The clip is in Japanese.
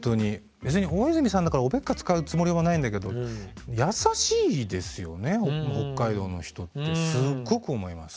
別に大泉さんだからおべっか使うつもりもないんだけど優しいですよね北海道の人ってすごく思います。